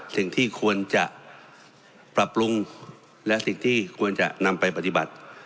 สิ่งที่ควรจะปรับปรุงและสิ่งที่ควรจะนำไปปฏิบัติ